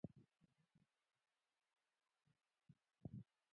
دا کتاب دوه فصلونه لري.